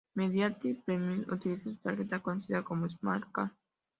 Mediaset Premium utiliza una tarjeta, conocida como "smart card".